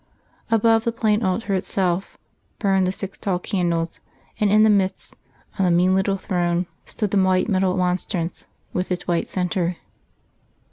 Above the plain altar itself burned the six tall candles; and in the midst, on the mean little throne, stood the white metal monstrance, with its White Centre....